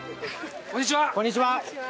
こんにちは